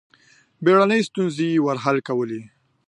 بېړنۍ ستونزې یې ور حل کولې.